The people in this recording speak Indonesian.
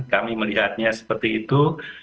kami melihatnya seperti itu